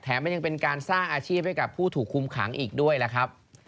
มันยังเป็นการสร้างอาชีพให้กับผู้ถูกคุมขังอีกด้วยล่ะครับ